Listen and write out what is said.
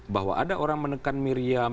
bahwa ada orang menekan miriam